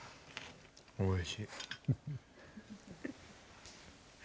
おいしい。